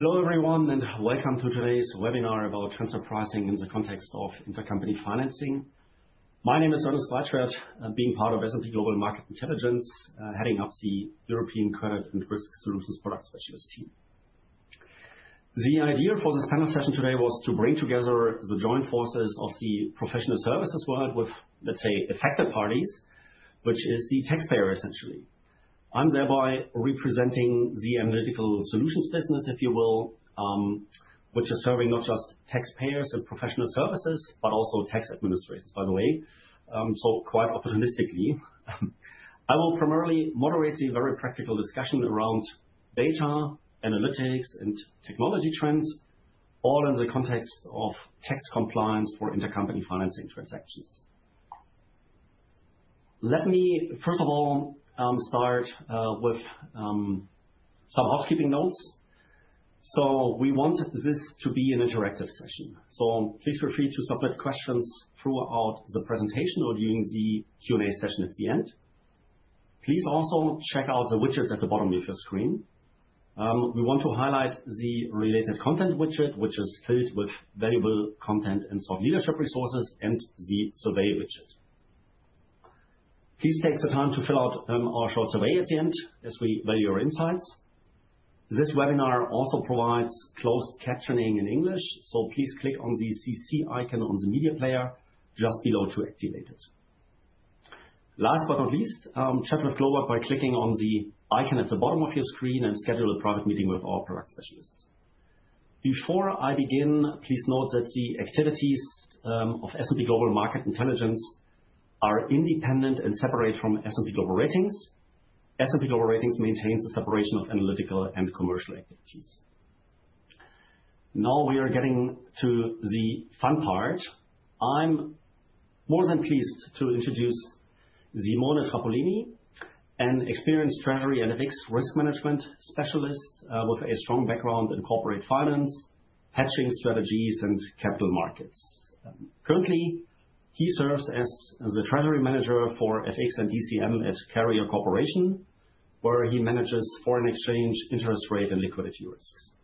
Hello, everyone, and welcome to today's webinar about transfer pricing in the context of intercompany financing. My name is Ernest Breitschwerdt. I'm being part of S&P Global Market Intelligence, heading up the European Credit and Risk Solutions product specialist team. The idea for this panel session today was to bring together the joint forces of the professional services world with, Let's say, affected parties, which is the taxpayer, essentially. I'm thereby representing the analytical solutions business, if you will, which is serving not just taxpayers and professional services, but also tax administrations, by the way, so quite opportunistically. I will primarily moderate a very practical discussion around data, analytics, and technology trends, all in the context of tax compliance for intercompany financing transactions. Let me, first of all, start with some housekeeping notes, so we want this to be an interactive session. So please feel free to submit questions throughout the presentation or during the Q&A session at the end. Please also check out the widgets at the bottom of your screen. We want to highlight the related content widget, which is filled with valuable content and thought leadership resources, and the survey widget. Please take the time to fill out our short survey at the end as we value your insights. This webinar also provides closed captioning in English, so please click on the CC icon on the media player just below to activate it. Last but not least, chat with GloWork by clicking on the icon at the bottom of your screen and schedule a private meeting with our product specialists. Before I begin, please note that the activities of S&P Global Market Intelligence are independent and separate from S&P Global Ratings. S&P Global Ratings maintains the separation of analytical and commercial activities. Now we are getting to the fun part. I'm more than pleased to introduce Simone Trappolini, an experienced treasury and FX risk management specialist with a strong background in corporate finance, hedging strategies, and capital markets. Currently, he serves as the treasury manager for FX and DCM at Carrier Corporation, where he manages foreign exchange, interest rate, and liquidity risks.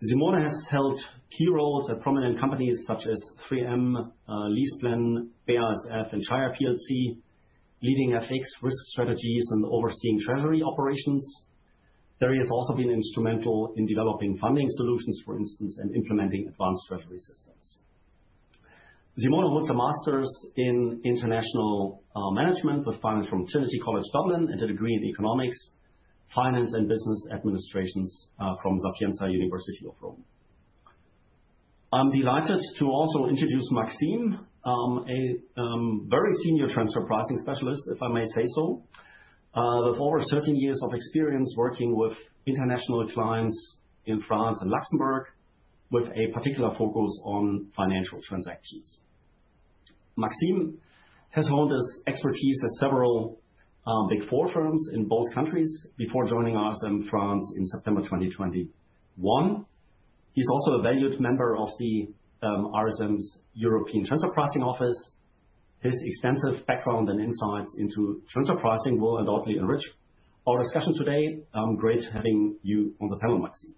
Simone has held key roles at prominent companies such as 3M, LeasePlan, BASF, and Shire PLC, leading FX risk strategies and overseeing treasury operations. There he has also been instrumental in developing funding solutions, for instance, and implementing advanced treasury systems. Simone holds a master's in international management with finance from Trinity College, Dublin, and a degree in economics, finance, and Business Administrations from Sapienza University of Rome. I'm delighted to also introduce Maxime, a very senior transfer pricing specialist, if I may say so, with over 13 years of experience working with international clients in France and Luxembourg, with a particular focus on financial transactions. Maxime has honed his expertise at several Big Four firms in both countries before joining RSM France in September 2021. He's also a valued member of the RSM's European Transfer Pricing Office. His extensive background and insights into transfer pricing will undoubtedly enrich our discussion today. Great having you on the panel, Maxime.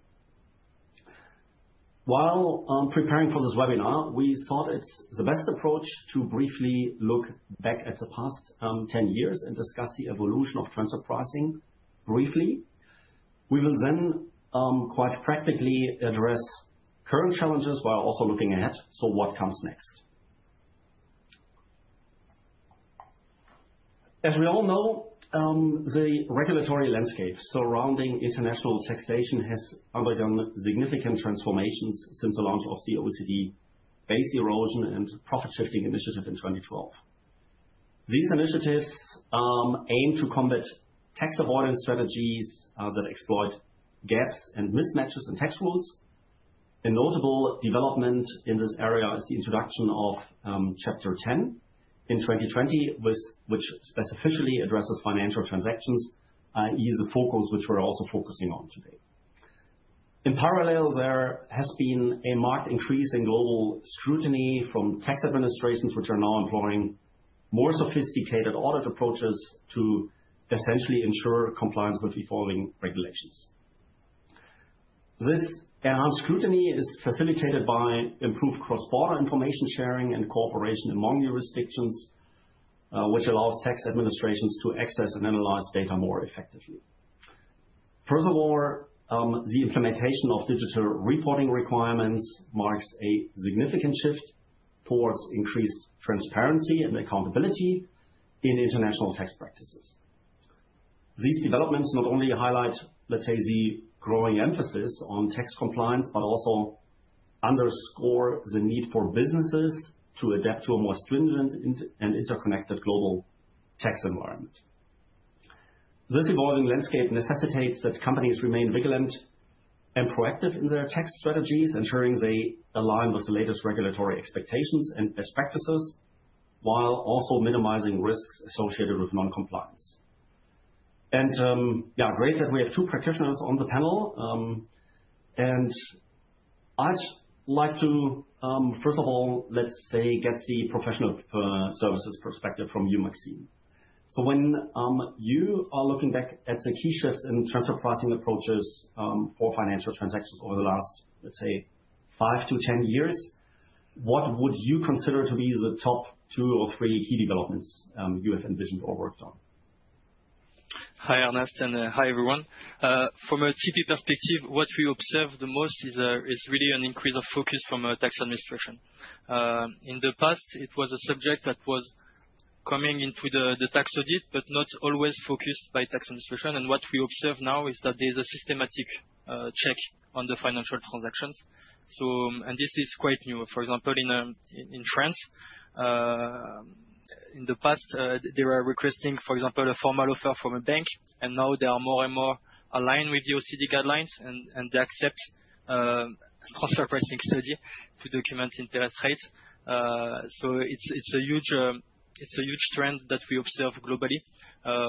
While preparing for this webinar, we thought it's the best approach to briefly look back at the past 10 years and discuss the evolution of transfer pricing briefly. We will then quite practically address current challenges while also looking ahead, so what comes next. As we all know, the regulatory landscape surrounding international taxation has undergone significant transformations since the launch of the OECD Base Erosion and Profit Shifting Initiative in 2012. These initiatives aim to combat tax avoidance strategies that exploit gaps and mismatches in tax rules. A notable development in this area is the introduction of Chapter X in 2020, which specifically addresses financial transactions, i.e., the focus which we're also focusing on today. In parallel, there has been a marked increase in global scrutiny from tax administrations, which are now employing more sophisticated audit approaches to essentially ensure compliance with evolving regulations. This enhanced scrutiny is facilitated by improved cross-border information sharing and cooperation among jurisdictions, which allows tax administrations to access and analyze data more effectively. First of all, the implementation of digital reporting requirements marks a significant shift towards increased transparency and accountability in international tax practices. These developments not only highlight, let's say, the growing emphasis on tax compliance, but also underscore the need for businesses to adapt to a more stringent and interconnected global tax environment. This evolving landscape necessitates that companies remain vigilant and proactive in their tax strategies, ensuring they align with the latest regulatory expectations and best practices, while also minimizing risks associated with non-compliance. Yeah, great that we have two practitioners on the panel. I'd like to, first of all, let's say, get the professional services perspective from you, Maxime. When you are looking back at the key shifts in transfer pricing approaches for financial transactions over the last, let's say, 5-10 years, what would you consider to be the top two or three key developments you have envisioned or worked on? Hi, Ernest, and hi, everyone. From a TP perspective, what we observe the most is really an increase of focus from tax administration. In the past, it was a subject that was coming into the tax audit, but not always focused by tax administration. And what we observe now is that there's a systematic check on the financial transactions. And this is quite new. For example, in France, in the past, they were requesting, for example, a formal offer from a bank. And now they are more and more aligned with the OECD guidelines, and they accept a transfer pricing study to document interest rates. So it's a huge trend that we observe globally: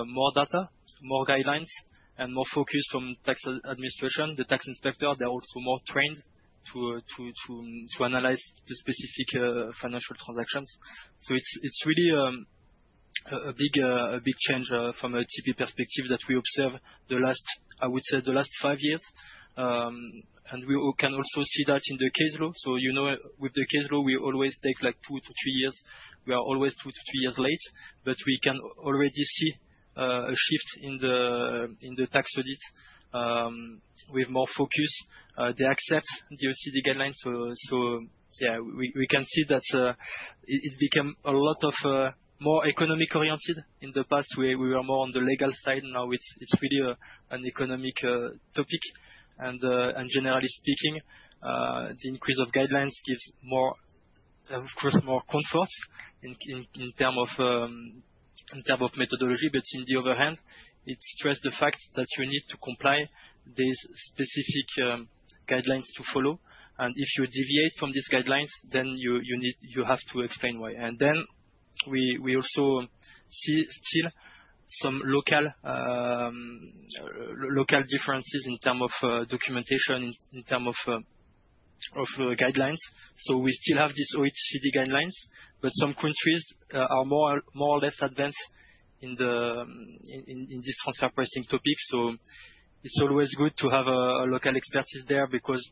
more data, more guidelines, and more focus from tax administration. The tax inspector, they're also more trained to analyze the specific financial transactions. It's really a big change from a TP perspective that we observed the last, I would say, the last five years. We can also see that in the case law. With the case law, we always take like 2-3 years. We are always 2-3 years late. We can already see a shift in the tax audit with more focus. They accept the OECD guidelines. We can see that it became a lot more economic-oriented. In the past, we were more on the legal side. Now it's really an economic topic. Generally speaking, the increase of guidelines gives more, of course, more comfort in terms of methodology. On the other hand, it stresses the fact that you need to comply with these specific guidelines to follow. If you deviate from these guidelines, then you have to explain why. And then we also see still some local differences in terms of documentation, in terms of guidelines. So we still have these OECD guidelines, but some countries are more or less advanced in this transfer pricing topic. So it's always good to have local expertise there because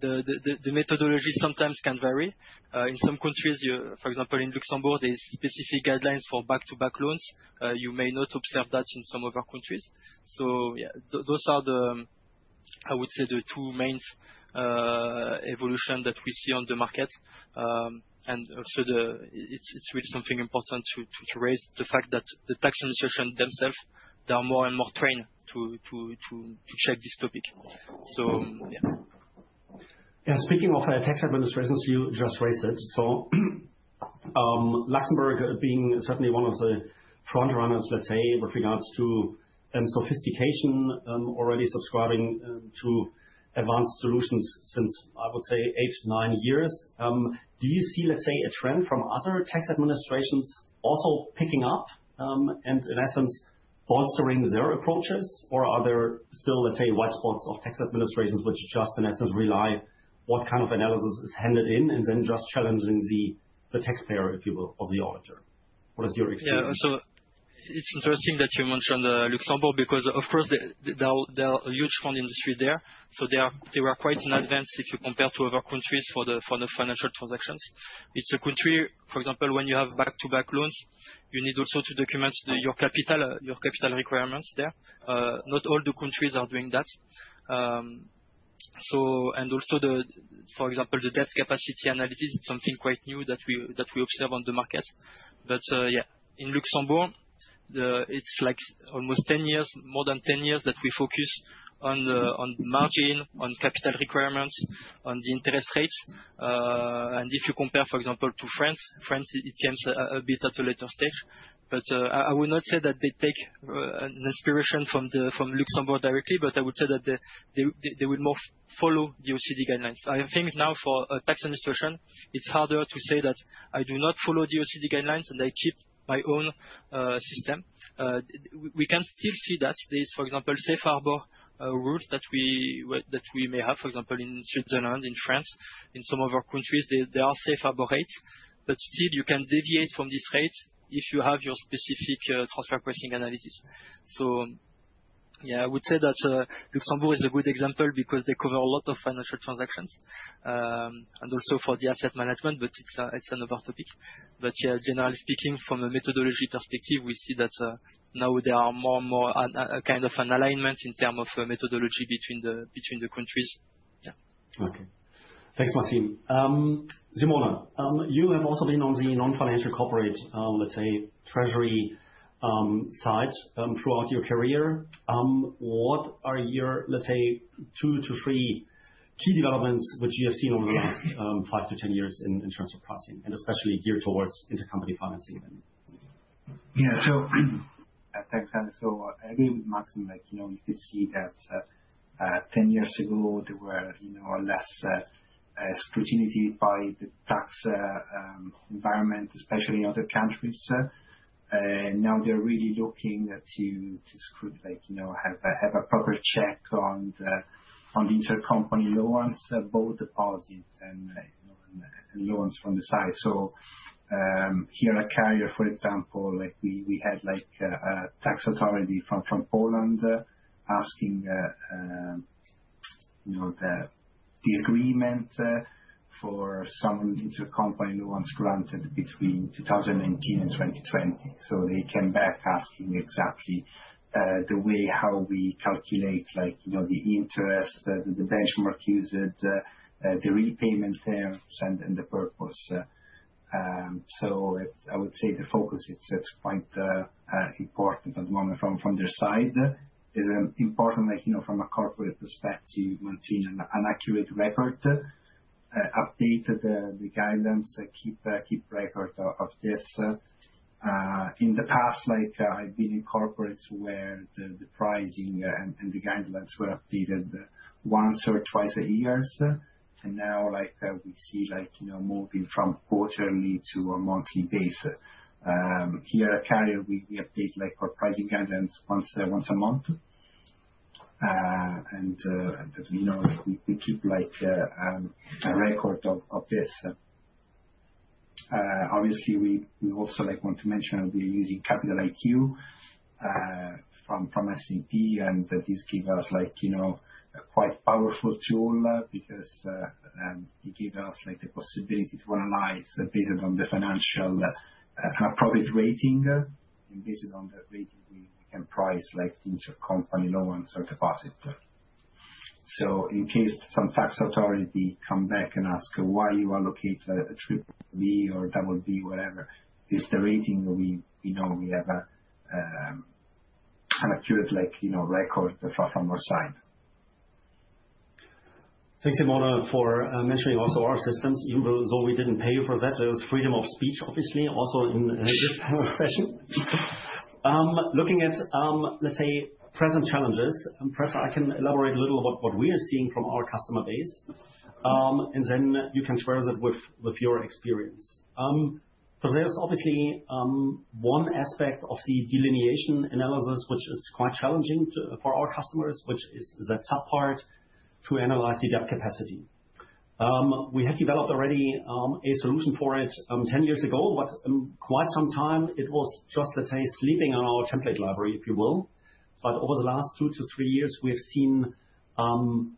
the methodology sometimes can vary. In some countries, for example, in Luxembourg, there are specific guidelines for back-to-back loans. You may not observe that in some other countries. So yeah, those are, I would say, the two main evolutions that we see on the market. And also, it's really something important to raise the fact that the tax administration themselves, they are more and more trained to check this topic. So yeah. Yeah, speaking of tax administrations, you just raised it. So Luxembourg, being certainly one of the front runners, let's say, with regards to sophistication, already subscribing to advanced solutions since, I would say, eight, nine years. Do you see, let's say, a trend from other tax administrations also picking up and, in essence, bolstering their approaches? Or are there still, let's say, white spots of tax administrations which just, in essence, rely on what kind of analysis is handed in and then just challenging the taxpayer, if you will, or the auditor? What is your experience? Yeah, so it's interesting that you mentioned Luxembourg because, of course, there are huge fund industries there. So they were quite in advance if you compare to other countries for the financial transactions. It's a country, for example, when you have back-to-back loans, you need also to document your capital requirements there. Not all the countries are doing that. And also, for example, the debt capacity analysis is something quite new that we observe on the market. But yeah, in Luxembourg, it's like almost 10 years, more than 10 years that we focus on margin, on capital requirements, on the interest rates. And if you compare, for example, to France, France came a bit at a later stage. But I will not say that they take inspiration from Luxembourg directly, but I would say that they would more follow the OECD guidelines. I think now for tax administration, it's harder to say that I do not follow the OECD guidelines and I keep my own system. We can still see that there is, for example, safe harbor rules that we may have, for example, in Switzerland, in France, in some other countries, there are safe harbor rates. But still, you can deviate from these rates if you have your specific transfer pricing analysis. So yeah, I would say that Luxembourg is a good example because they cover a lot of financial transactions and also for the asset management, but it's another topic. But yeah, generally speaking, from a methodology perspective, we see that now there are more and more kind of an alignment in terms of methodology between the countries. Yeah. Okay. Thanks, Maxime. Simone, you have also been on the non-financial corporate, let's say, treasury side throughout your career. What are your, let's say, 2-3 key developments which you have seen over the last 5-10 years in transfer pricing, and especially geared towards intercompany financing? Yeah, so thanks, Ernest. So I agree with Maxime. You could see that 10 years ago, there was less scrutiny by the tax environment, especially in other countries. Now they're really looking to have a proper check on the intercompany loans, both deposits and loans from the side. So here at Carrier, for example, we had a tax authority from Poland asking the agreement for some intercompany loans granted between 2019 and 2020. So they came back asking exactly the way how we calculate the interest, the benchmark usage, the repayment terms, and the purpose. So I would say the focus is quite important at the moment from their side. It's important from a corporate perspective to maintain an accurate record, update the guidelines, keep record of this. In the past, I've been in corporates where the pricing and the guidelines were updated once or twice a year. Now we see moving from quarterly to a monthly base. Here at Carrier, we update our pricing guidelines once a month. We keep a record of this. Obviously, we also want to mention we're using Capital IQ from S&P, and this gives us a quite powerful tool because it gives us the possibility to analyze based on the financial profit rating. Based on that rating, we can price intercompany loans or deposits. In case some tax authority comes back and asks why you allocate a triple B or double B, whatever, it's the rating that we know we have an accurate record from our side. Thanks, Simone, for mentioning also our systems. Even though we didn't pay you for that, it was freedom of speech, obviously, also in this session. Looking at, let's say, present challenges, perhaps I can elaborate a little on what we are seeing from our customer base, and then you can share that with your experience. Because there's obviously one aspect of the delineation analysis, which is quite challenging for our customers, which is that subpart to analyze the debt capacity. We had developed already a solution for it 10 years ago. Quite some time, it was just, let's say, sleeping on our template library, if you will. But over the last 2-3 years, we have seen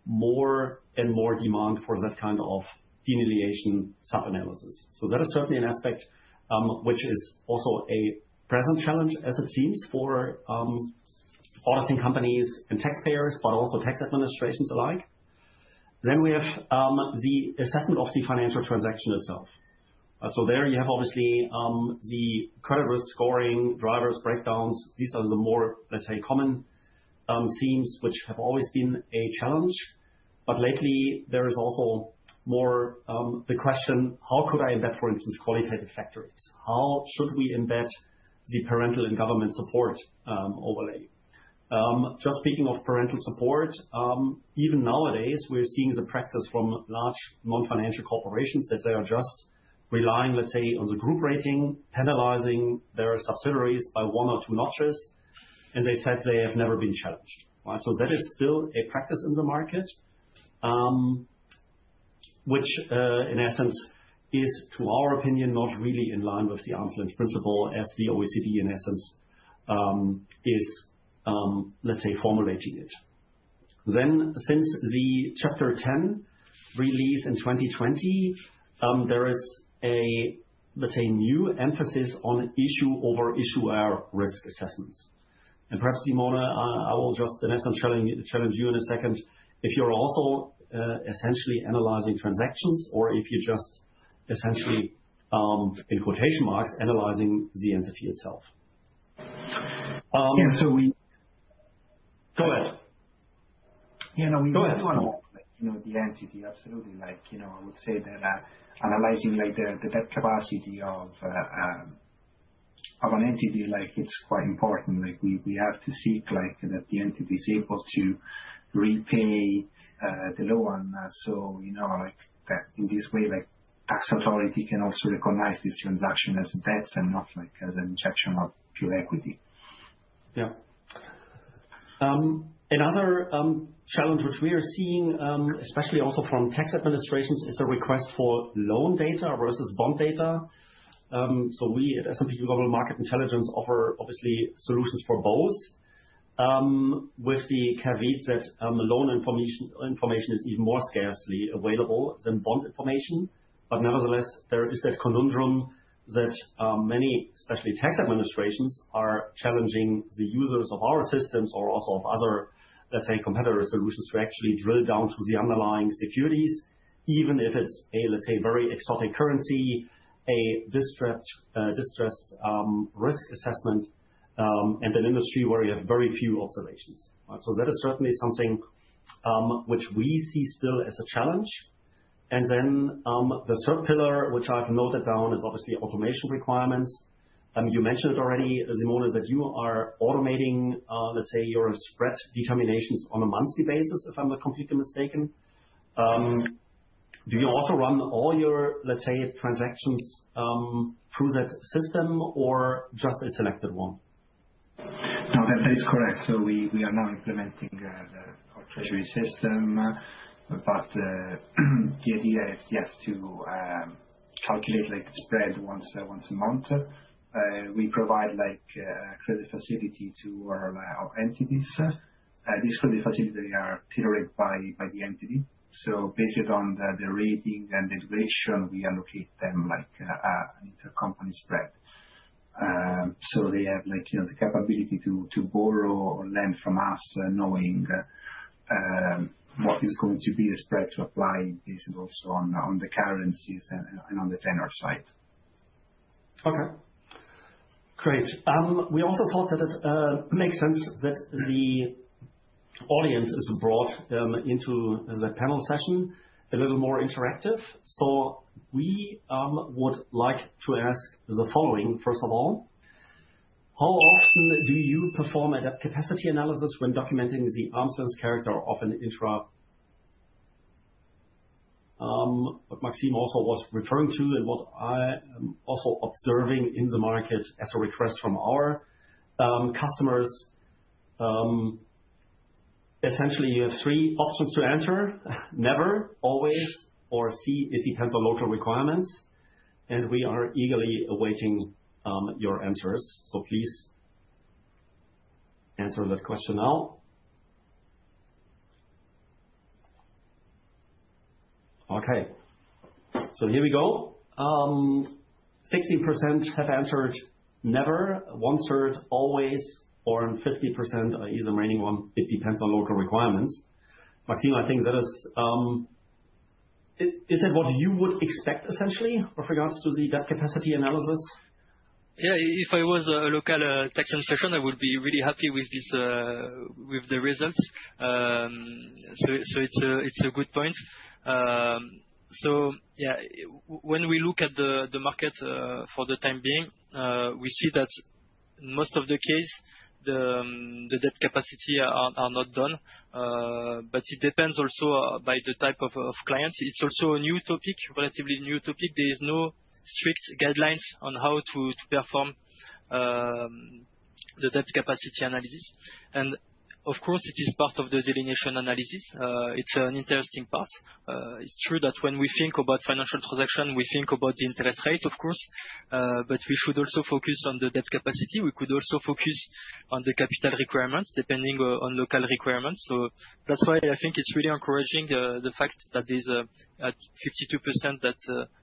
more and more demand for that kind of delineation sub-analysis. So that is certainly an aspect which is also a present challenge, as it seems, for auditing companies and taxpayers, but also tax administrations alike. Then we have the assessment of the financial transaction itself. So there you have obviously the credit risk scoring, drivers, breakdowns. These are the more, let's say, common themes which have always been a challenge. But lately, there is also more the question, how could I embed, for instance, qualitative factors? How should we embed the parental and government support overlay? Just speaking of parental support, even nowadays, we're seeing the practice from large non-financial corporations that they are just relying, let's say, on the group rating, penalizing their subsidiaries by one or two notches. And they said they have never been challenged. That is still a practice in the market, which, in essence, is, to our opinion, not really in line with the arm's length principle, as the OECD, in essence, is, let's say, formulating it. Then, since the Chapter X release in 2020, there is a, let's say, new emphasis on issue-over-issuer risk assessments. And perhaps, Simone, I will just, in essence, challenge you in a second if you're also essentially analyzing transactions or if you're just essentially, in quotation marks, analyzing the entity itself. Yeah, so we. Go ahead. Yeah, no, we do analyze the entity, absolutely. I would say that analyzing the debt capacity of an entity, it's quite important. We have to seek that the entity is able to repay the loan. So in this way, tax authority can also recognize this transaction as debts and not as an injection of pure equity. Yeah. Another challenge which we are seeing, especially also from tax administrations, is a request for loan data versus bond data. So we at S&P Global Market Intelligence offer, obviously, solutions for both. With the caveat that loan information is even more scarcely available than bond information. But nevertheless, there is that conundrum that many, especially tax administrations, are challenging the users of our systems or also of other, let's say, competitor solutions to actually drill down to the underlying securities, even if it's a, let's say, very exotic currency, a distressed risk assessment, and an industry where you have very few observations. So that is certainly something which we see still as a challenge. And then the third pillar, which I've noted down, is obviously automation requirements. You mentioned it already, Simone, that you are automating, let's say, your spread determinations on a monthly basis, if I'm not completely mistaken. Do you also run all your, let's say, transactions through that system or just a selected one? No, that is correct. So we are now implementing our treasury system. But the idea is, yes, to calculate the spread once a month. We provide credit facility to our entities. These credit facilities are tailored by the entity. So based on the rating and the duration, we allocate them an intercompany spread. So they have the capability to borrow or lend from us, knowing what is going to be the spread to apply based also on the currencies and on the tenor side. Okay. Great. We also thought that it makes sense that the audience is brought into the panel session a little more interactive. So we would like to ask the following, first of all. How often do you perform a debt capacity analysis when documenting the arm's length character of an intra? What Maxime also was referring to and what I am also observing in the market as a request from our customers. Essentially, you have three options to answer: never, always, or it depends on local requirements, and we are eagerly awaiting your answers. So please answer that question now. Okay, so here we go. 60% have answered never, one said always, or 50% is the remaining one. It depends on local requirements. Maxime, I think that is, is it what you would expect, essentially, with regards to the debt capacity analysis? Yeah, if I was a local tax administration, I would be really happy with the results. So it's a good point. So yeah, when we look at the market for the time being, we see that in most of the cases, the debt capacity is not done. But it depends also by the type of clients. It's also a relatively new topic. There are no strict guidelines on how to perform the debt capacity analysis. And of course, it is part of the delineation analysis. It's an interesting part. It's true that when we think about financial transactions, we think about the interest rate, of course. But we should also focus on the debt capacity. We could also focus on the capital requirements depending on local requirements. So that's why I think it's really encouraging, the fact that there's a 52%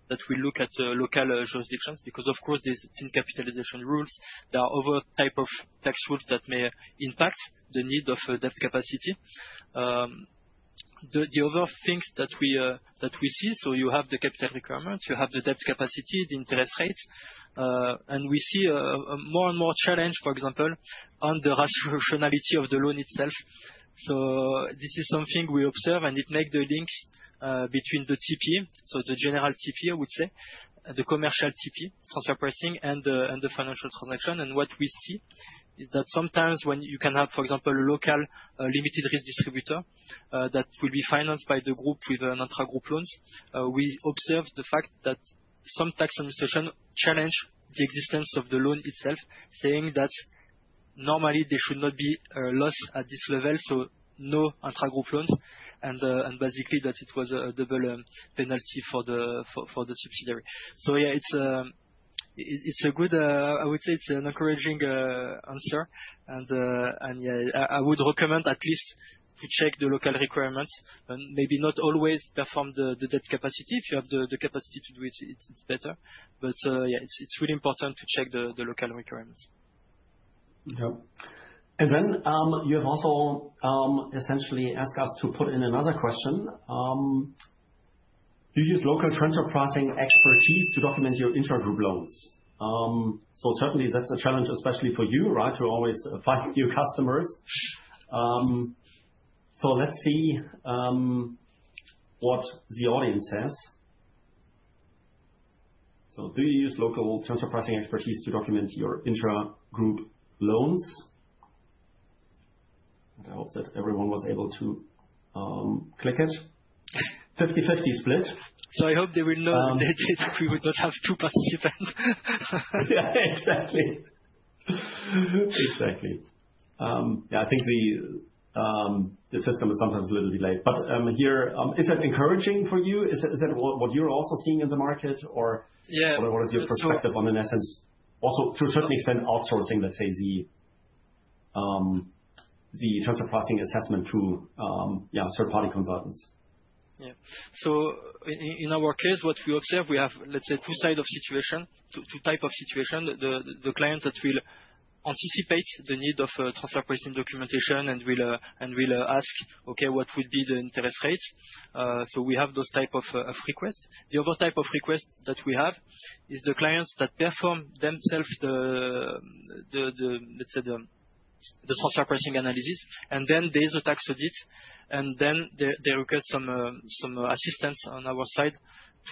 that we look at local jurisdictions because, of course, there are thin capitalization rules. There are other types of tax rules that may impact the need of debt capacity. The other things that we see, so you have the capital requirements, you have the debt capacity, the interest rates. And we see more and more challenge, for example, on the rationality of the loan itself. So this is something we observe, and it makes the link between the TP, so the general TP, I would say, the commercial TP, transfer pricing, and the financial transaction. What we see is that sometimes when you can have, for example, a local limited risk distributor that will be financed by the group with intra-group loans, we observe the fact that some tax administrations challenge the existence of the loan itself, saying that normally there should not be a loss at this level, so no intra-group loans. Basically, that it was a double penalty for the subsidiary. Yeah, it's a good, I would say it's an encouraging answer. Yeah, I would recommend at least to check the local requirements. Maybe not always perform the debt capacity. If you have the capacity to do it, it's better. But yeah, it's really important to check the local requirements. Yeah. And then you have also essentially asked us to put in another question. Do you use local transfer pricing expertise to document your intra-group loans? So certainly, that's a challenge, especially for you, right, to always find new customers. So let's see what the audience says. So do you use local transfer pricing expertise to document your intra-group loans? I hope that everyone was able to click it. 50/50 split. I hope they will know that we will not have two participants. Yeah, exactly. Exactly. Yeah, I think the system is sometimes a little delayed. But here, is that encouraging for you? Is that what you're also seeing in the market? Or what is your perspective on, in essence, also to a certain extent outsourcing, let's say, the transfer pricing assessment to third-party consultants? Yeah. So in our case, what we observe, we have, let's say, two sides of situation, two types of situations. The client that will anticipate the need of transfer pricing documentation and will ask, "Okay, what would be the interest rate?" So we have those types of requests. The other type of request that we have is the clients that perform themselves the, let's say, the transfer pricing analysis. And then there's a tax audit. And then they request some assistance on our side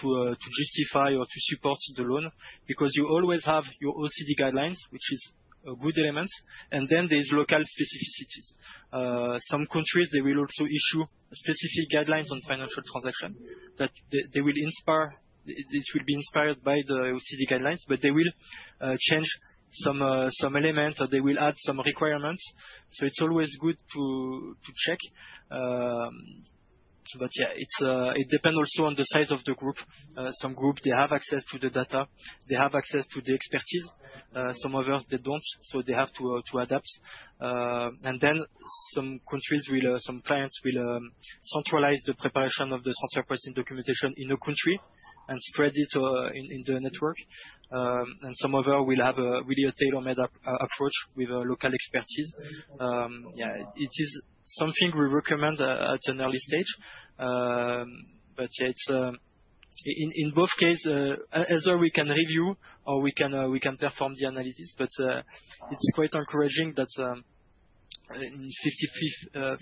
to justify or to support the loan because you always have your OECD guidelines, which is a good element. And then there's local specificities. Some countries, they will also issue specific guidelines on financial transactions that they will inspire. It will be inspired by the OECD guidelines, but they will change some elements or they will add some requirements. So it's always good to check. But yeah, it depends also on the size of the group. Some groups, they have access to the data. They have access to the expertise. Some others, they don't. So they have to adapt. And then some countries, some clients will centralize the preparation of the transfer pricing documentation in a country and spread it in the network. And some of them will have really a tailor-made approach with local expertise. Yeah, it is something we recommend at an early stage. But yeah, in both cases, either we can review or we can perform the analysis. But it's quite encouraging that in 55% of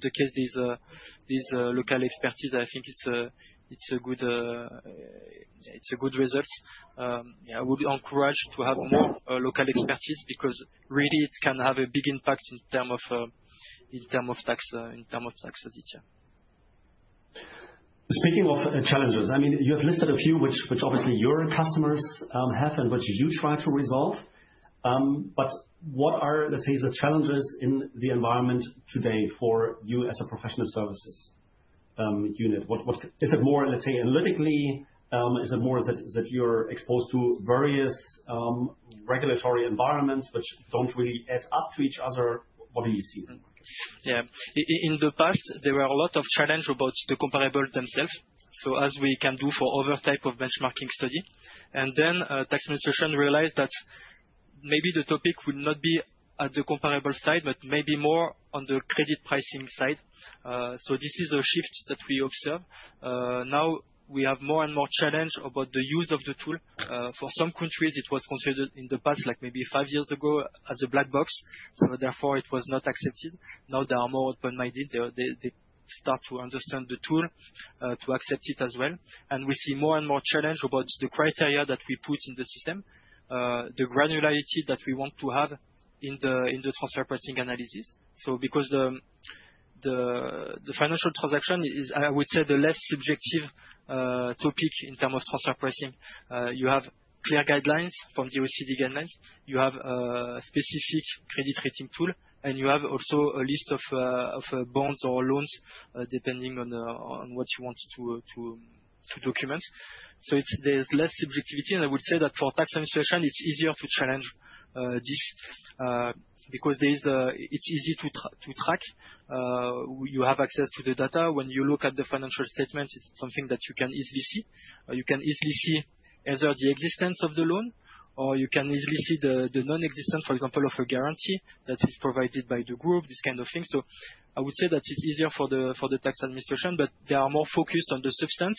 the cases, there's local expertise. I think it's a good result. I would encourage to have more local expertise because really, it can have a big impact in terms of tax audits. Speaking of challenges, I mean, you have listed a few which obviously your customers have and which you try to resolve. But what are, let's say, the challenges in the environment today for you as a professional services unit? Is it more, let's say, analytically? Is it more that you're exposed to various regulatory environments which don't really add up to each other? What do you see in the market? Yeah. In the past, there were a lot of challenges about the comparables themselves, so as we can do for other types of benchmarking studies. And then tax administration realized that maybe the topic would not be at the comparable side, but maybe more on the credit pricing side. So this is a shift that we observe. Now we have more and more challenges about the use of the tool. For some countries, it was considered in the past, like maybe five years ago, as a black box. So therefore, it was not accepted. Now they are more open-minded. They start to understand the tool, to accept it as well. And we see more and more challenges about the criteria that we put in the system, the granularity that we want to have in the transfer pricing analysis. So because the financial transaction is, I would say, the less subjective topic in terms of transfer pricing, you have clear guidelines from the OECD guidelines. You have a specific credit rating tool, and you have also a list of bonds or loans depending on what you want to document. So there's less subjectivity. And I would say that for tax administration, it's easier to challenge this because it's easy to track. You have access to the data. When you look at the financial statements, it's something that you can easily see. You can easily see either the existence of the loan or you can easily see the non-existence, for example, of a guarantee that is provided by the group, this kind of thing. So I would say that it's easier for the tax administration, but they are more focused on the substance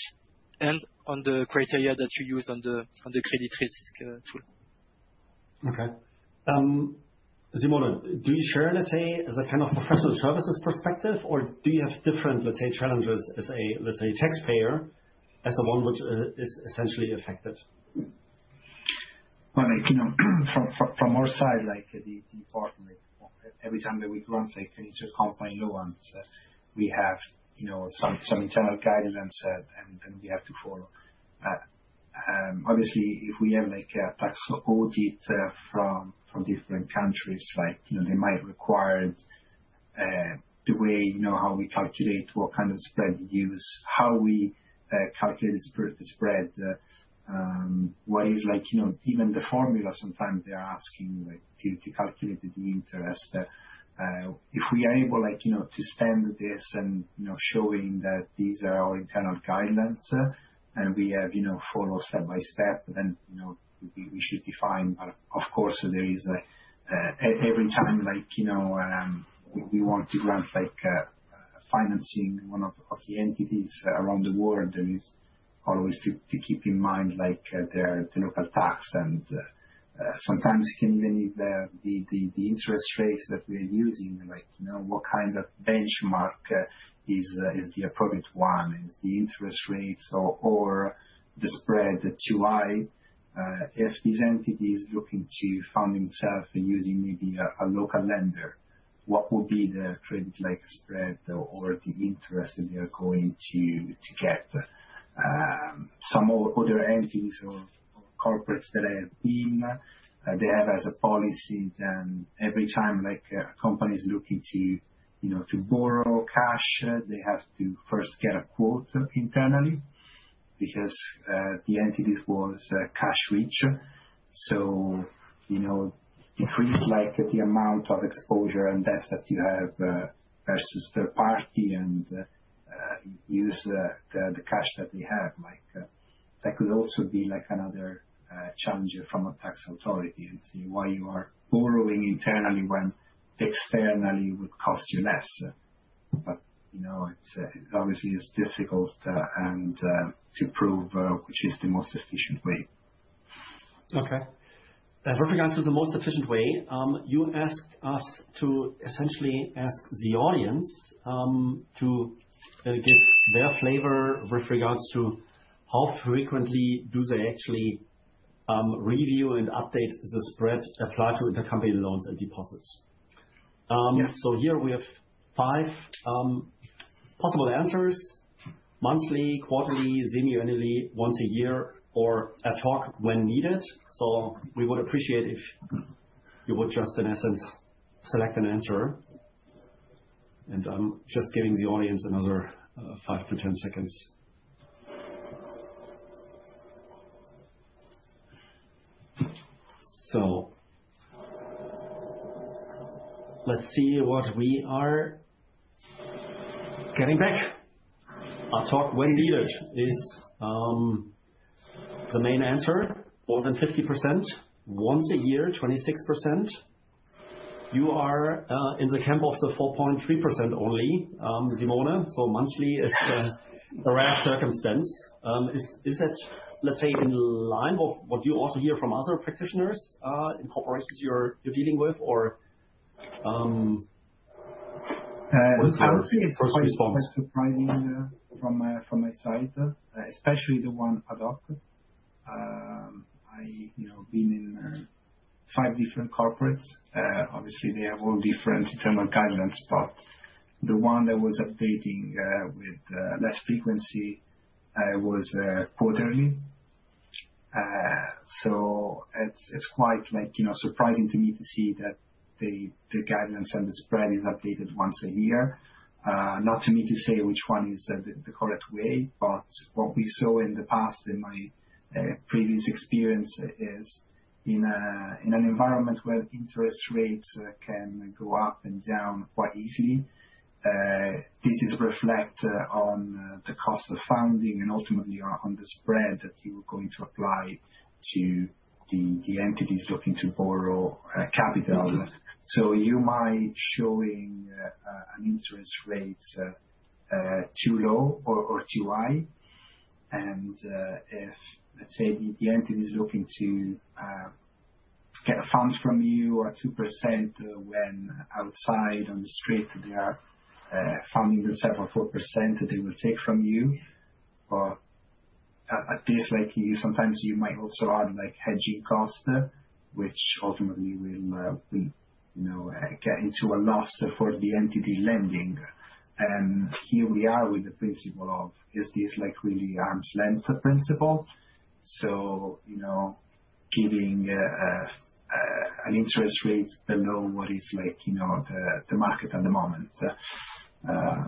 and on the criteria that you use on the credit risk tool. Okay. Simone, do you share, let's say, as a kind of professional services perspective, or do you have different, let's say, challenges as a taxpayer, as one which is essentially affected? From our side, like the import, every time that we grant an intra-company loan, we have some internal guidelines that we have to follow. Obviously, if we have tax audits from different countries, they might require the way how we calculate what kind of spread we use, how we calculate the spread, what is even the formula sometimes they are asking to calculate the interest. If we are able to withstand this and show that these are our internal guidelines and we have followed step by step, then we should be fine. But of course, every time we want to grant financing to one of the entities around the world, there is always to keep in mind their local tax. Sometimes you can even need the interest rates that we are using, like what kind of benchmark is the appropriate one, is the interest rates or the spread too high. If these entities are looking to fund themselves using maybe a local lender, what would be the credit-like spread or the interest that they are going to get? Some other entities or corporates that have been, they have as a policy that every time a company is looking to borrow cash, they have to first get a quote internally because the entities were cash-rich. So decrease the amount of exposure and debts that you have versus third party and use the cash that they have. That could also be another challenge from a tax authority and see why you are borrowing internally when externally it would cost you less. Obviously, it's difficult to prove which is the most efficient way. Okay. And with regards to the most efficient way, you asked us to essentially ask the audience to give their flavor with regards to how frequently do they actually review and update the spread applied to intercompany loans and deposits. So here we have five possible answers: monthly, quarterly, semi-annually, once a year, or ad hoc when needed. So we would appreciate if you would just, in essence, select an answer. And I'm just giving the audience another five to 10 seconds. So let's see what we are getting back. Ad hoc when needed is the main answer, more than 50%, once a year, 26%. You are in the camp of the 4.3% only, Simone. So monthly is a rare circumstance. Is that, let's say, in line with what you also hear from other practitioners in corporations you're dealing with, or what is your first response? I would say it's not that surprising from my side, especially the one I've worked. I've been in five different corporates. Obviously, they have all different internal guidelines. But the one that was updating with less frequency was quarterly. So it's quite surprising to me to see that the guidelines and the spread is updated once a year. Not to me to say which one is the correct way, but what we saw in the past, in my previous experience, is in an environment where interest rates can go up and down quite easily. This is reflected on the cost of funding and ultimately on the spread that you are going to apply to the entities looking to borrow capital. So you might be showing an interest rate too low or too high. If, let's say, the entity is looking to get funds from you at 2% when outside on the street, they are funding themselves with 4% that they will take from you. But at this, sometimes you might also add hedging cost, which ultimately will get into a loss for the entity lending. And here we are with the principle of, is this really arm's length principle? So giving an interest rate below what is the market at the moment. Yeah.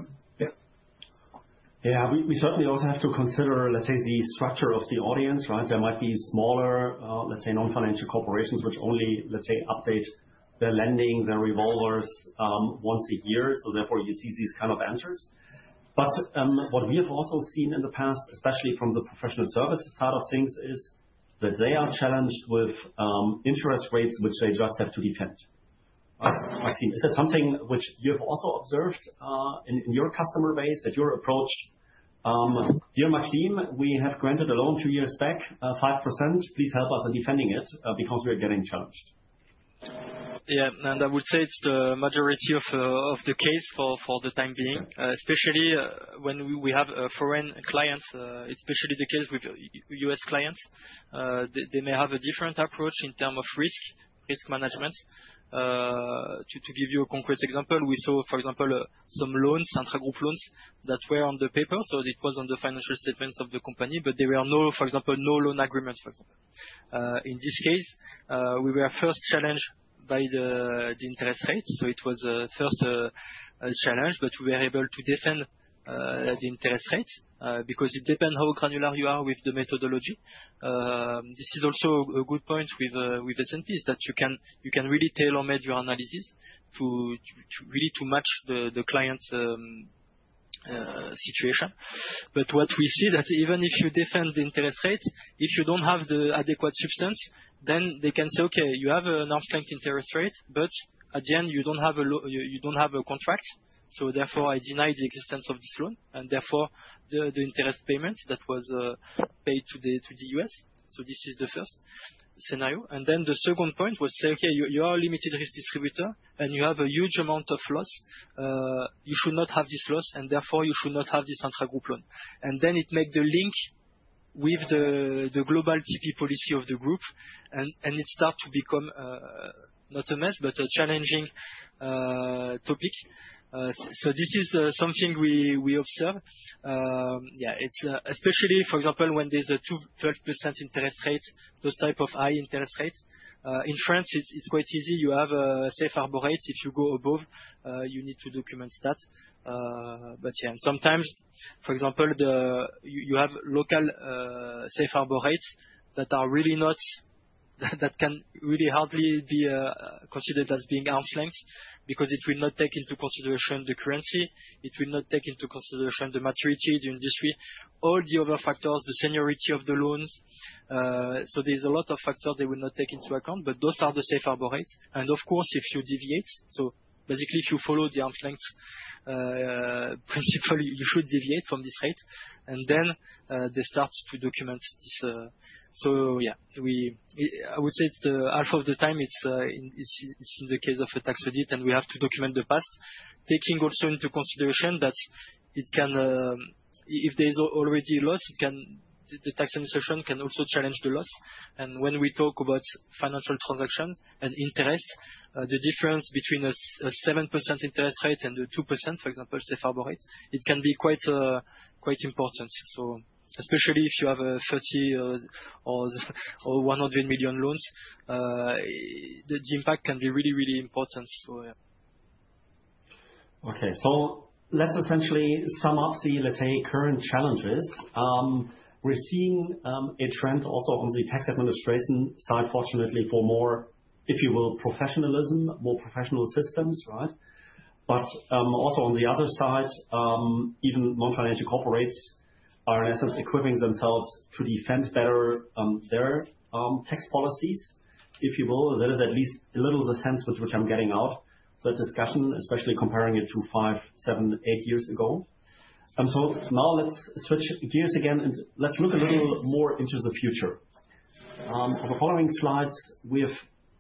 Yeah. We certainly also have to consider, let's say, the structure of the audience, right? There might be smaller, let's say, non-financial corporations which only, let's say, update their lending, their revolvers once a year. So therefore, you see these kinds of answers. But what we have also seen in the past, especially from the professional services side of things, is that they are challenged with interest rates which they just have to defend. Maxime, is that something which you have also observed in your customer base, at your approach? Dear Maxime, we have granted a loan two years back, 5%. Please help us in defending it because we are getting challenged. Yeah. And I would say it's the majority of the case for the time being, especially when we have foreign clients. It's especially the case with U.S. clients. They may have a different approach in terms of risk, risk management. To give you a concrete example, we saw, for example, some loans, intra-group loans, that were on paper. So it was on the financial statements of the company, but there were no, for example, no loan agreements, for example. In this case, we were first challenged by the interest rate. So it was a first challenge, but we were able to defend the interest rate because it depends how granular you are with the methodology. This is also a good point with S&P is that you can really tailor-make your analysis to really match the client's situation. But what we see is that even if you defend the interest rate, if you don't have the adequate substance, then they can say, "Okay, you have an arm's length interest rate, but at the end, you don't have a contract. So therefore, I deny the existence of this loan." And therefore, the interest payment that was paid to the U.S. So this is the first scenario. And then the second point was to say, "Okay, you are a limited risk distributor, and you have a huge amount of loss. You should not have this loss, and therefore, you should not have this intra-group loan." And then it made the link with the global TP policy of the group, and it started to become not a mess, but a challenging topic. So this is something we observed. Yeah. Especially, for example, when there's a 12% interest rate, those types of high interest rates. In France, it's quite easy. You have a safe harbor rate. If you go above, you need to document that. But yeah, sometimes, for example, you have local safe harbor rates that are really not that can really hardly be considered as being arm's length because it will not take into consideration the currency. It will not take into consideration the maturity, the industry, all the other factors, the seniority of the loans. So there's a lot of factors they will not take into account, but those are the safe harbor rates. And of course, if you deviate, so basically, if you follow the arm's length principle, you should deviate from this rate. And then they start to document this. So yeah, I would say it's half of the time it's in the case of a tax audit, and we have to document the past, taking also into consideration that if there's already a loss, the tax administration can also challenge the loss. When we talk about financial transactions and interest, the difference between a 7% interest rate and the 2%, for example, safe harbor rate, it can be quite important. Especially if you have $30 million or $100 million loans, the impact can be really, really important. Yeah. Okay. So let's essentially sum up the, let's say, current challenges. We're seeing a trend also on the tax administration side, fortunately, for more, if you will, professionalism, more professional systems, right? But also on the other side, even non-financial corporates are, in essence, equipping themselves to defend better their tax policies, if you will. That is at least a little the sense with which I'm getting out of that discussion, especially comparing it to five, seven, eight years ago. So now let's switch gears again, and let's look a little more into the future. On the following slides, we have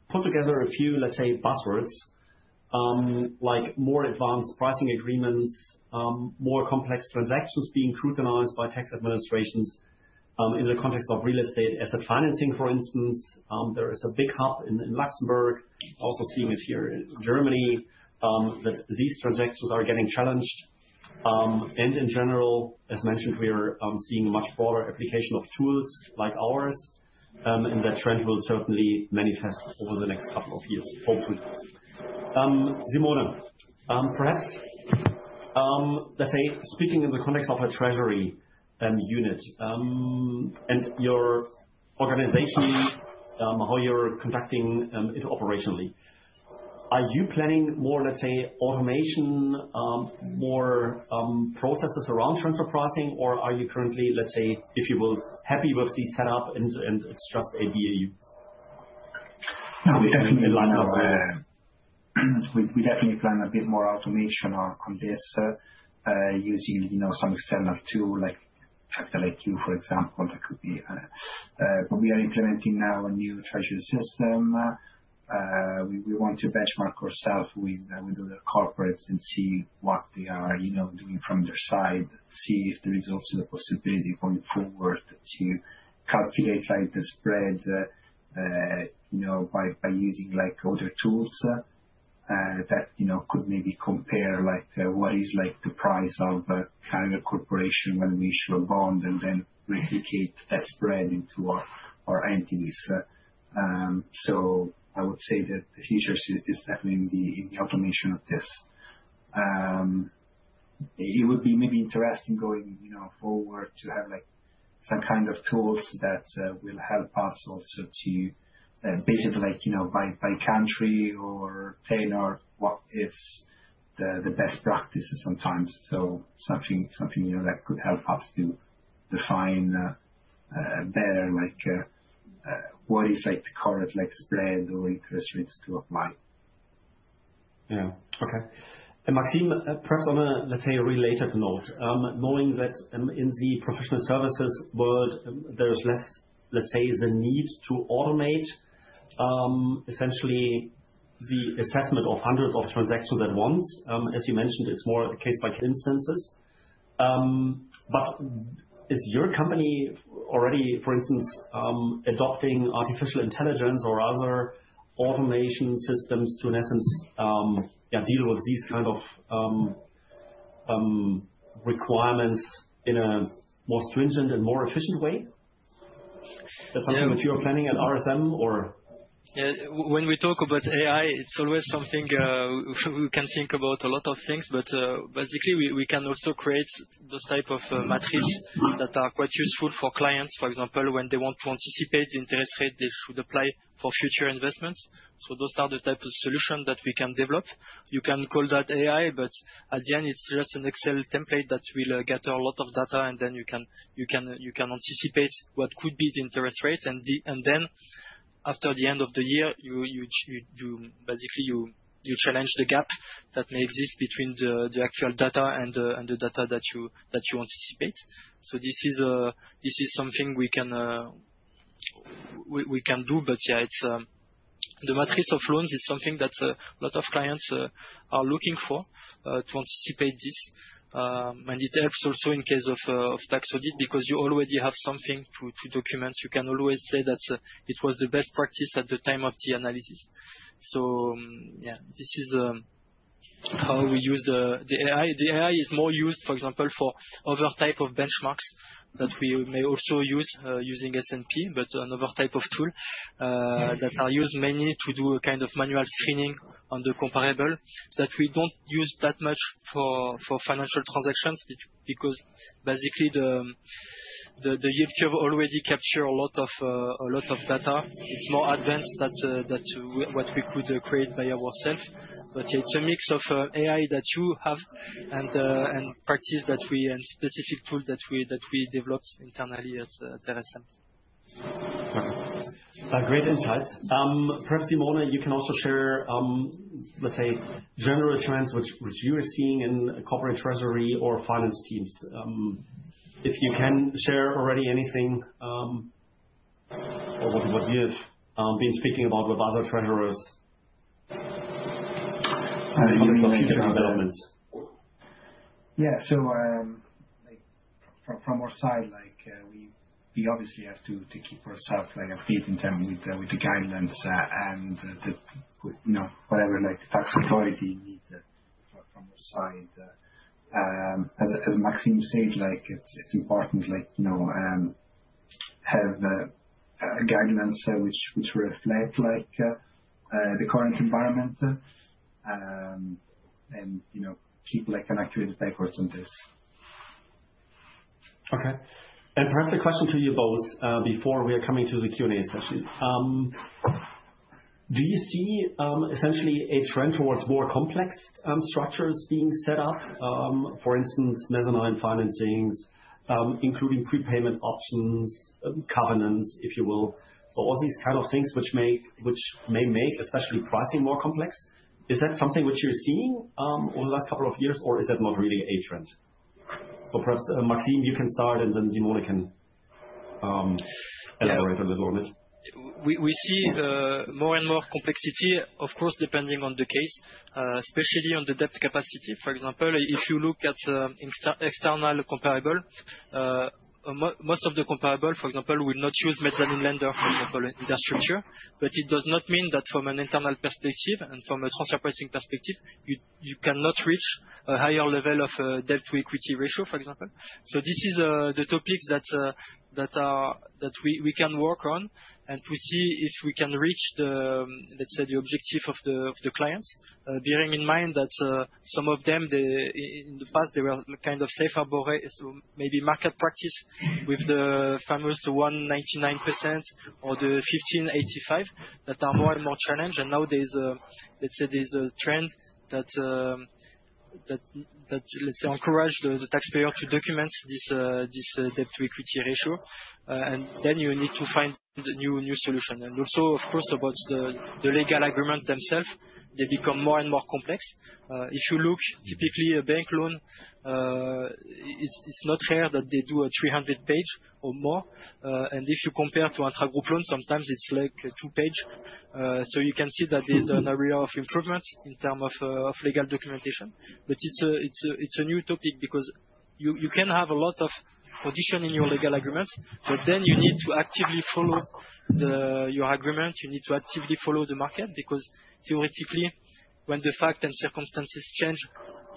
put together a few, let's say, buzzwords, like more advanced pricing agreements, more complex transactions being scrutinized by tax administrations in the context of real estate asset financing, for instance. There is a big hub in Luxembourg. Also seeing it here in Germany, that these transactions are getting challenged. In general, as mentioned, we are seeing a much broader application of tools like ours, and that trend will certainly manifest over the next couple of years, hopefully. Simone, perhaps, let's say, speaking in the context of a treasury unit and your organization, how you're conducting it operationally, are you planning more, let's say, automation, more processes around transfer pricing, or are you currently, let's say, if you will, happy with the setup, and it's just a BAU? No, we definitely plan a bit more automation on this using some external tool like Capital IQ, for example. But we are implementing now a new treasury system. We want to benchmark ourselves with other corporates and see what they are doing from their side, see if there is also the possibility going forward to calculate the spread by using other tools that could maybe compare what is the price of a Carrier Corporation when we issue a bond and then replicate that spread into our entities. So I would say that the future is definitely in the automation of this. It would be maybe interesting going forward to have some kind of tools that will help us also to basically by country or tenor, what is the best practice sometimes. So something that could help us to define better what is the current spread or interest rates to apply. Yeah. Okay, and Maxime, perhaps on a, let's say, related note, knowing that in the professional services world, there's less, let's say, the need to automate essentially the assessment of hundreds of transactions at once. As you mentioned, it's more case-by-case instances. But is your company already, for instance, adopting artificial intelligence or other automation systems to, in essence, deal with these kinds of requirements in a more stringent and more efficient way? Is that something which you are planning at RSM, or? Yeah. When we talk about AI, it's always something we can think about a lot of things, but basically, we can also create those types of matrices that are quite useful for clients, for example, when they want to anticipate the interest rate they should apply for future investments. So those are the types of solutions that we can develop. You can call that AI, but at the end, it's just an Excel template that will gather a lot of data, and then you can anticipate what could be the interest rate. And then after the end of the year, basically, you challenge the gap that may exist between the actual data and the data that you anticipate. So this is something we can do. But yeah, the matrix of loans is something that a lot of clients are looking for to anticipate this. It helps also in case of tax audit because you already have something to document. You can always say that it was the best practice at the time of the analysis. Yeah, this is how we use the AI. The AI is more used, for example, for other types of benchmarks that we may also use using S&P, but another type of tool that is used mainly to do a kind of manual screening on the comparable that we don't use that much for financial transactions because basically, the Capital IQ has already captured a lot of data. It's more advanced than what we could create by ourselves. Yeah, it's a mix of AI that you have and practice that we and specific tools that we developed internally at RSM. Okay. Great insights. Perhaps, Simone, you can also share, let's say, general trends which you are seeing in corporate treasury or finance teams. If you can share already anything or what you've been speaking about with other treasurers on the topic of developments. Yeah. So from our side, we obviously have to keep ourselves up to date in terms with the guidelines and whatever the tax authority needs from our side. As Maxime said, it's important to have guidelines which reflect the current environment and keep an accurate record on this. Okay. And perhaps a question to you both before we are coming to the Q&A session. Do you see essentially a trend towards more complex structures being set up, for instance, mezzanine financings, including prepayment options, covenants, if you will? So all these kinds of things which may make especially pricing more complex. Is that something which you're seeing over the last couple of years, or is that not really a trend? So perhaps Maxime, you can start, and then Simone can elaborate a little on it. We see more and more complexity, of course, depending on the case, especially on the debt capacity. For example, if you look at external comparables, most of the comparables, for example, will not use mezzanine lender, for example, in their structure. But it does not mean that from an internal perspective and from a transfer pricing perspective, you cannot reach a higher level of debt-to-equity ratio, for example. So this is the topics that we can work on and to see if we can reach, let's say, the objective of the clients, bearing in mind that some of them, in the past, they were kind of safe harbor rates, maybe market practice with the famous 1.99% or the 15.85% that are more and more challenged. And now there's, let's say, this trend that, let's say, encourages the taxpayer to document this debt-to-equity ratio. And then you need to find a new solution. And also, of course, about the legal agreements themselves, they become more and more complex. If you look, typically, a bank loan, it's not rare that they do a 300 pages or more. And if you compare to intra-group loans, sometimes it's like a two-page. So you can see that there's an area of improvement in terms of legal documentation. But it's a new topic because you can have a lot of conditions in your legal agreements, but then you need to actively follow your agreements. You need to actively follow the market because theoretically, when the facts and circumstances change,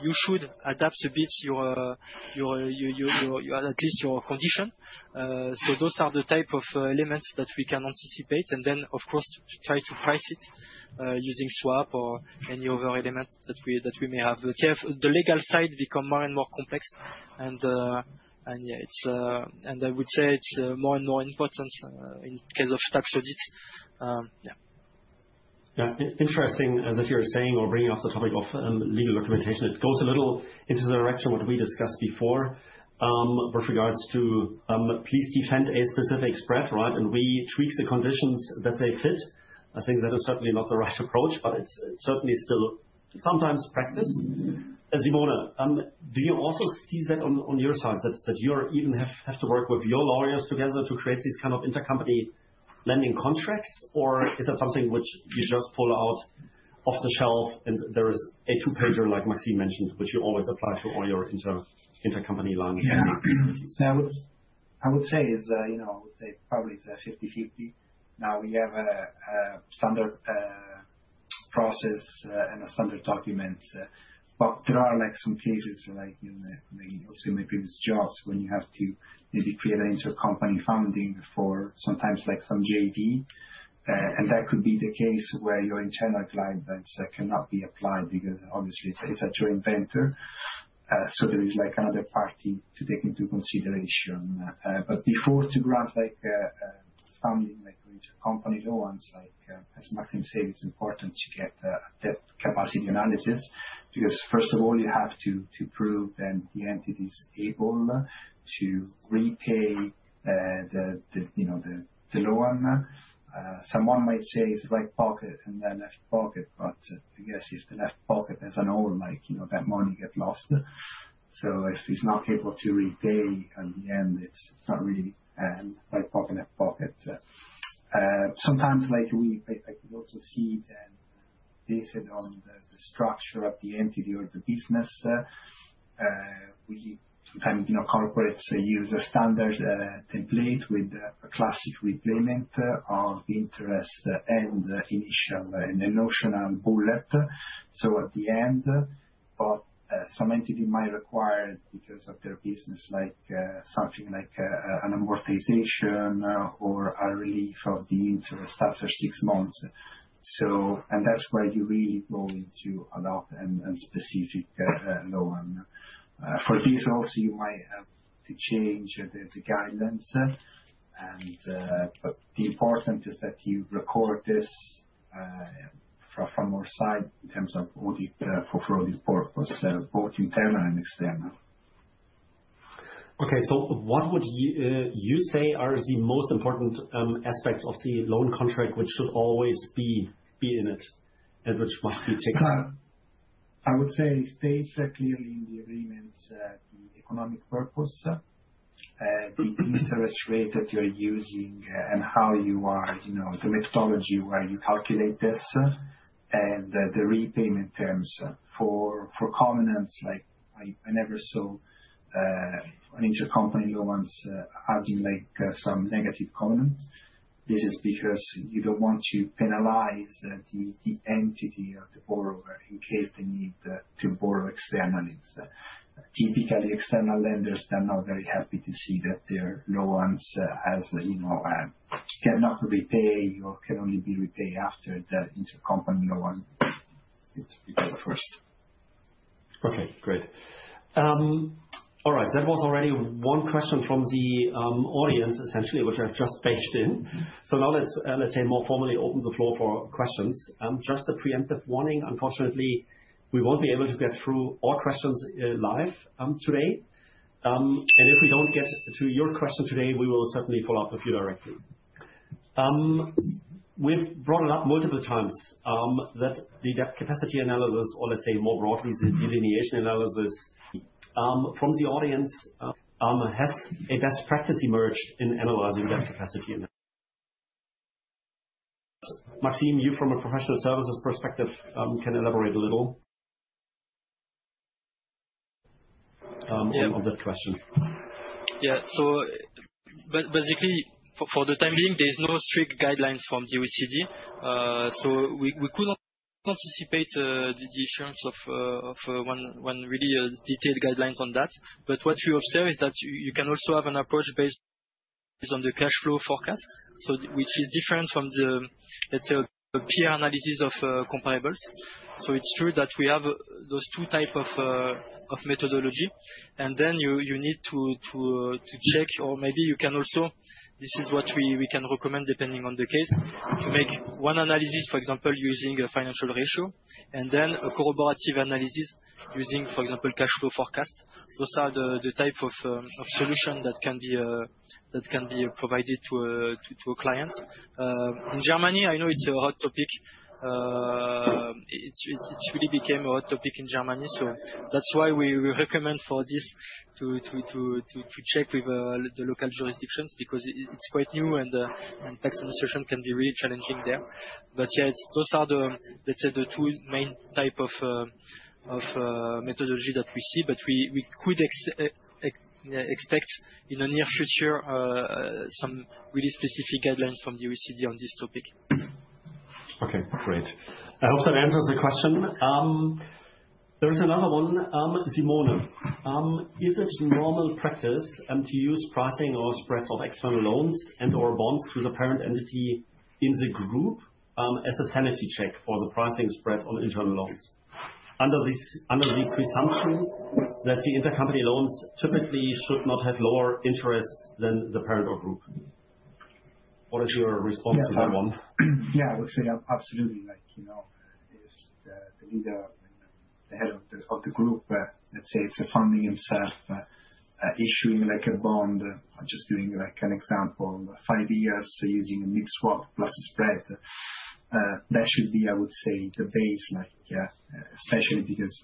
you should adapt a bit at least your conditions. So those are the types of elements that we can anticipate. And then, of course, try to price it using swap or any other element that we may have. But yeah, the legal side becomes more and more complex. And yeah, I would say it's more and more important in the case of tax audits. Yeah. Yeah. Interesting, as if you were saying or bringing up the topic of legal documentation, it goes a little into the direction of what we discussed before with regards to defending a specific spread, right, and we tweak the conditions that they fit. I think that is certainly not the right approach, but it's certainly still sometimes practice. Simone, do you also see that on your side, that you even have to work with your lawyers together to create these kinds of intercompany lending contracts, or is that something which you just pull off the shelf and there is a two-pager like Maxime mentioned, which you always apply to all your intercompany lending activities? Yeah. I would say it's, I would say probably it's a 50/50. Now we have a standard process and a standard document. But there are some cases, like obviously in my previous jobs, when you have to maybe create an intercompany funding for sometimes some joint venture, and that could be the case where your internal guidelines cannot be applied because obviously it's at your investor. So there is another party to take into consideration. But before to grant funding with intercompany loans, as Maxime said, it's important to get a debt capacity analysis because first of all, you have to prove that the entity is able to repay the loan. Someone might say it's right pocket and then left pocket, but I guess if the left pocket has a hole, that money gets lost. So if it's not able to repay in the end, it's not really right pocket, left pocket. Sometimes we also see that based on the structure of the entity or the business, we sometimes corporates use a standard template with a classic repayment of interest and principal and a notional bullet. So at the end, but some entity might require because of their business something like an amortization or a relief of the interest after six months. And that's where you really go into a lot and specific loan. For this, also, you might have to change the guidelines. But the important is that you record this from our side in terms of audit for audit purpose, both internal and external. Okay. So what would you say are the most important aspects of the loan contract which should always be in it and which must be ticked? I would say state clearly in the agreement the economic purpose, the interest rate that you're using, and how you are the methodology where you calculate this, and the repayment terms. For covenants, I never saw intercompany loans having some negative covenants. This is because you don't want to penalize the entity or the borrower in case they need to borrow externally. Typically, external lenders, they're not very happy to see that their loans cannot repay or can only be repaid after the intercompany loan is repaid first. Okay. Great. All right. That was already one question from the audience, essentially, which I've just baked in, so now let's say, more formally open the floor for questions. Just a preemptive warning, unfortunately, we won't be able to get through all questions live today, and if we don't get to your question today, we will certainly follow up with you directly. We've brought it up multiple times that the debt capacity analysis, or let's say more broadly, the delineation analysis. From the audience, has a best practice emerged in analyzing debt capacity analysis? Maxime, you from a professional services perspective, can elaborate a little on that question? Yeah. So basically, for the time being, there's no strict guidelines from OECD. So we couldn't anticipate the chance of really detailed guidelines on that. But what we observe is that you can also have an approach based on the cash flow forecast, which is different from the, Let's say, peer analysis of comparables. So it's true that we have those two types of methodology. And then you need to check, or maybe you can also - this is what we can recommend depending on the case - to make one analysis, for example, using a financial ratio, and then a corroborative analysis using, for example, cash flow forecast. Those are the types of solutions that can be provided to a client. In Germany, I know it's a hot topic. It really became a hot topic in Germany. So that's why we recommend for this to check with the local jurisdictions because it's quite new, and tax administration can be really challenging there. But yeah, those are, let's say, the two main types of methodology that we see. But we could expect in the near future some really specific guidelines from OECD on this topic. Okay. Great. I hope that answers the question. There is another one. Simone, is it normal practice to use pricing or spreads of external loans and/or bonds to the parent entity in the group as a sanity check for the pricing spread on internal loans under the presumption that the intercompany loans typically should not have lower interest than the parent or group? What is your response to that one? Yeah. I would say absolutely. If the leader, the head of the group, let's say it's funding itself, issuing a bond, just doing an example, five years using a fixed swap plus a spread, that should be, I would say, the base, especially because,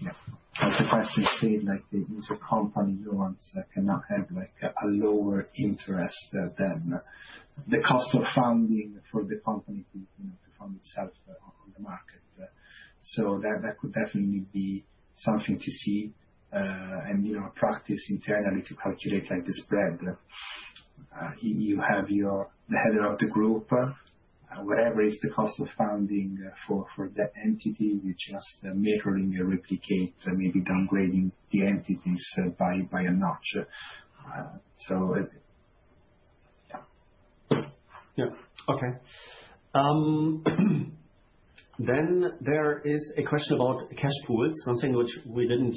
like the pricing said, the intercompany loans cannot have a lower interest than the cost of funding for the company to fund itself on the market, so that could definitely be something to see and practice internally to calculate the spread. You have the head of the group, whatever is the cost of funding for that entity, you're just mirroring and replicating, maybe downgrading the entities by a notch, so yeah. Yeah. Okay, then there is a question about cash pools, something which we didn't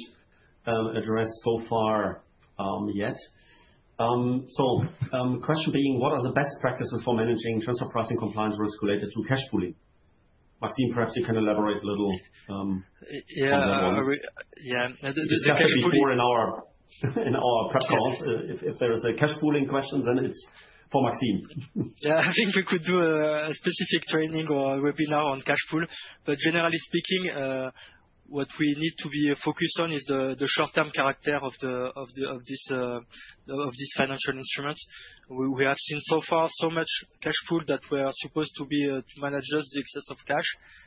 address so far yet, so the question being, what are the best practices for managing transfer pricing compliance risk related to cash pooling? Maxime, perhaps you can elaborate a little on that one. Yeah. Yeah. This is going to be more in our prep calls. If there is a cash pooling question, then it's for Maxime. Yeah. I think we could do a specific training or a webinar on cash pool. But generally speaking, what we need to be focused on is the short-term character of this financial instrument. We have seen so far so much cash pool that we are supposed to be managers of the excess of cash.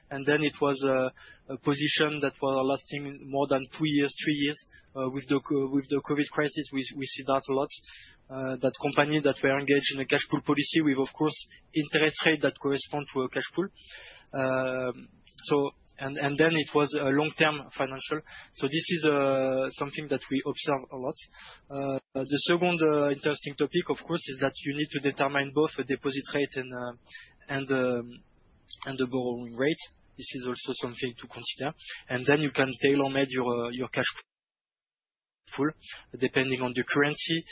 And then it was a position that was lasting more than two years, three years. With the COVID crisis, we see that a lot, that companies that were engaged in a cash pool policy with, of course, interest rates that correspond to a cash pool. And then it was a long-term financial. So this is something that we observe a lot. The second interesting topic, of course, is that you need to determine both a deposit rate and a borrowing rate. This is also something to consider. And then you can tailor-make your cash pool depending on the currency,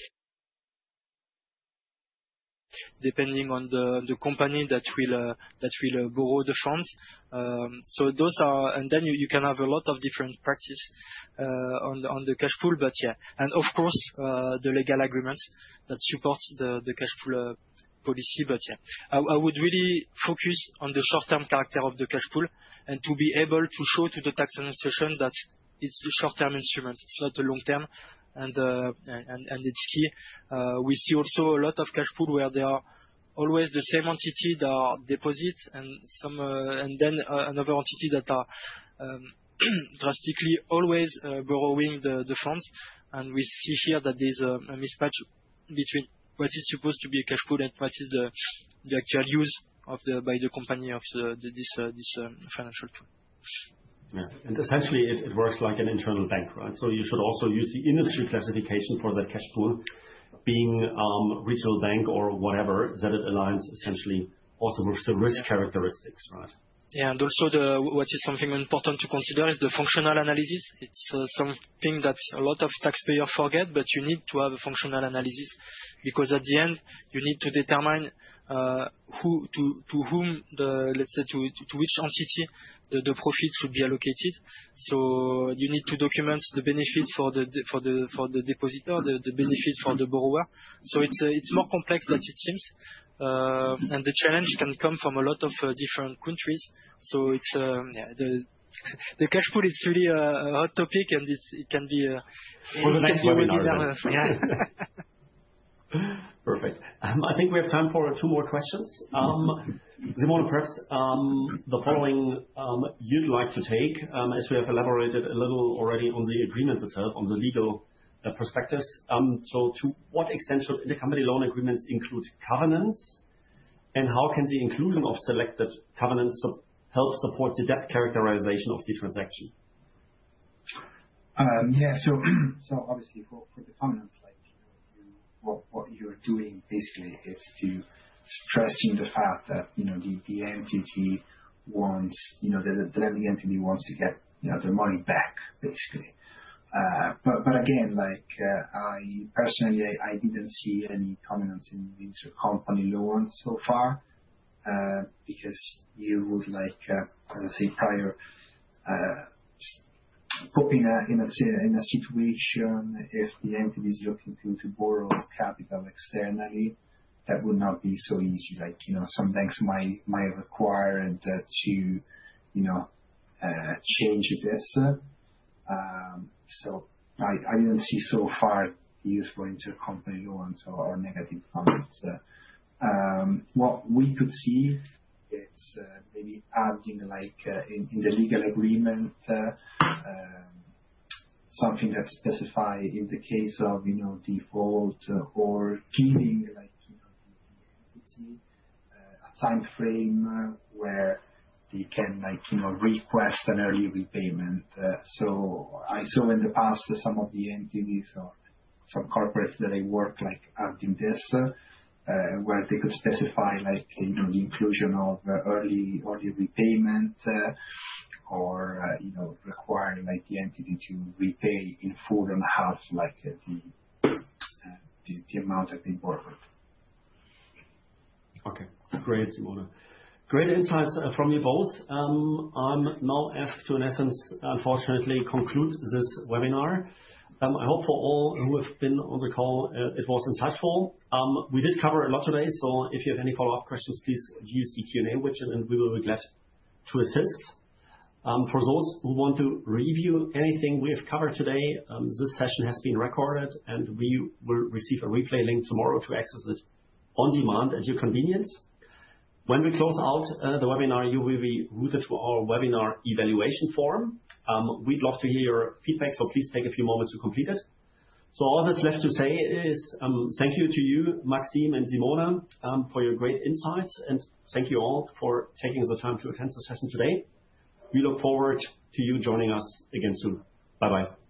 depending on the company that will borrow the funds. And then you can have a lot of different practices on the cash pool. But yeah. And of course, the legal agreements that support the cash pool policy. But yeah, I would really focus on the short-term character of the cash pool and to be able to show to the tax administration that it's a short-term instrument. It's not a long-term. And it's key. We see also a lot of cash pool where there are always the same entity that deposits and then another entity that is drastically always borrowing the funds. And we see here that there's a mismatch between what is supposed to be a cash pool and what is the actual use by the company of this financial pool. Yeah, and essentially, it works like an internal bank, right, so you should also use the industry classification for that cash pool, being regional bank or whatever, that it aligns essentially also with the risk characteristics, right? Yeah. And also, what is something important to consider is the functional analysis. It's something that a lot of taxpayers forget, but you need to have a functional analysis because at the end, you need to determine to whom, let's say, to which entity the profit should be allocated. So you need to document the benefits for the depositor, the benefits for the borrower. So it's more complex than it seems. And the challenge can come from a lot of different countries. So the cash pool is really a hot topic, and it can be a nice webinar. Perfect. I think we have time for two more questions. Simone, perhaps the following you'd like to take, as we have elaborated a little already on the agreement itself, on the legal perspectives. So to what extent should intercompany loan agreements include covenants, and how can the inclusion of selected covenants help support the debt characterization of the transaction? Yeah. So obviously, for the covenants, what you're doing basically is to stress the fact that the entity wants to get the money back, basically. But again, personally, I didn't see any covenants in intercompany loans so far because you would, let's say, prior to popping in a situation if the entity is looking to borrow capital externally, that would not be so easy. Some banks might require to change this. So I didn't see so far the use for intercompany loans or negative funds. What we could see is maybe adding in the legal agreement something that specifies in the case of default or liquidating the entity a time frame where they can request an early repayment. So I saw in the past some of the entities or some corporates that I worked adding this where they could specify the inclusion of early repayment or require the entity to repay in full and half the amount that they borrowed. Okay. Great, Simone. Great insights from you both. I'm now asked to, in essence, unfortunately, conclude this webinar. I hope for all who have been on the call, it was insightful. We did cover a lot today. So if you have any follow-up questions, please use the Q&A widget, and we will be glad to assist. For those who want to review anything we have covered today, this session has been recorded, and we will receive a replay link tomorrow to access it on demand at your convenience. When we close out the webinar, you will be routed to our webinar evaluation form. We'd love to hear your feedback, so please take a few moments to complete it. So all that's left to say is thank you to you, Maxime and Simone, for your great insights. And thank you all for taking the time to attend the session today. We look forward to you joining us again soon. Bye-bye.